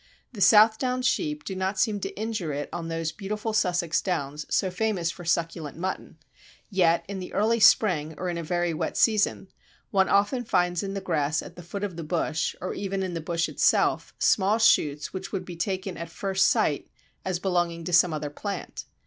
The Southdown sheep do not seem to injure it on those beautiful Sussex downs so famous for succulent mutton, yet in the early spring, or in a very wet season, one often finds in the grass at the foot of the bush (or even in the bush itself) small shoots which would be taken at first sight as belonging to some other plant.